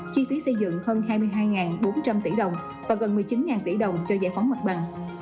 chi phí xây dựng hơn hai mươi hai bốn trăm linh tỷ đồng và gần một mươi chín tỷ đồng cho giải phóng mặt bằng